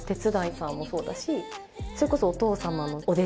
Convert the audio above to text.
それこそ。